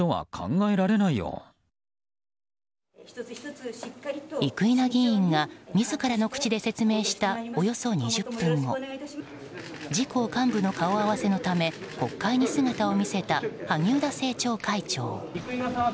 生稲議員が自らの口で説明したおよそ２０分後自公幹部の顔合わせのため国会に姿を見せた萩生田政調会長。